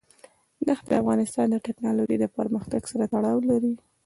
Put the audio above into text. دښتې د افغانستان د تکنالوژۍ د پرمختګ سره تړاو لري.